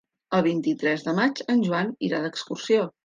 El vint-i-tres de maig en Joan irà d'excursió.